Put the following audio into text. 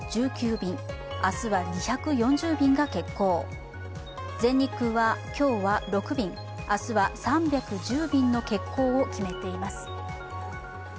便明日は２４０便が欠航全日空は今日は６便、明日は３１０便の欠航を決めています。